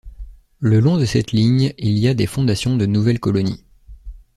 Le long de cette ligne, il y a des fondations de nouvelles colonies.